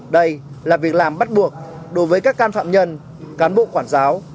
đây là việc làm bắt buộc đối với các can phạm nhân cán bộ quản giáo